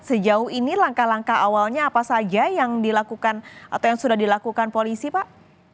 sejauh ini langkah langkah awalnya apa saja yang dilakukan atau yang sudah dilakukan polisi pak